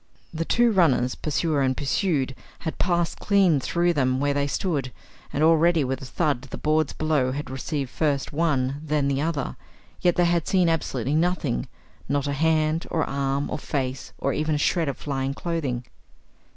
The two runners, pursuer and pursued, had passed clean through them where they stood, and already with a thud the boards below had received first one, then the other. Yet they had seen absolutely nothing not a hand, or arm, or face, or even a shred of flying clothing.